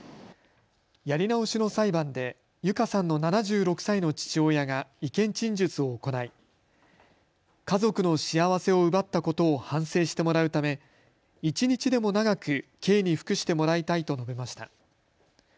やり直しの裁判で友香さんの７６歳の父親が意見陳述を行い家族の幸せを奪ったことを反省してもらうため一日でも長く刑に服してもらいたいと述べました。